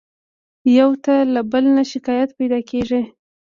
يو ته له بل نه شکايت پيدا کېږي.